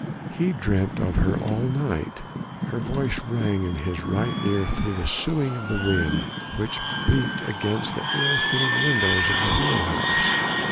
He dreamt of her all night; her voice rang in his ear right through the soughing of the wind which beat against the ill fitting windows of the wheel house.